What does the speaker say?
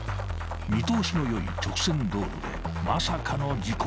［見通しの良い直線道路でまさかの事故が］